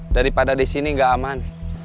daripada disini gak aman